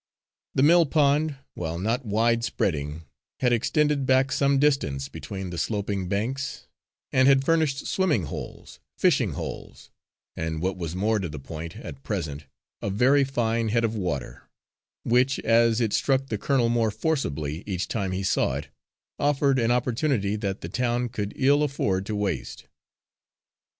The mill pond, while not wide spreading, had extended back some distance between the sloping banks, and had furnished swimming holes, fishing holes, and what was more to the point at present, a very fine head of water, which, as it struck the colonel more forcibly each time he saw it, offered an opportunity that the town could ill afford to waste.